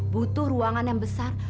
butuh ruangan yang besar